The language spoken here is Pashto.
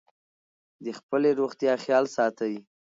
د خپلې روغتیا خیال ساتئ.